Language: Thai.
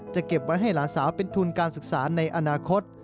เก็บไว้ให้หลานสาวเป็นทุนการศึกษาในอนาคต